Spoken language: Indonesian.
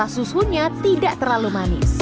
susunya tidak terlalu manis